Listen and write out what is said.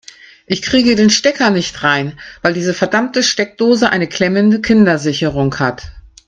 Ich kriege den Stecker nicht rein, weil diese verdammte Steckdose eine klemmende Kindersicherung hat.